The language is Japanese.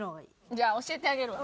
じゃあ教えてあげるわ。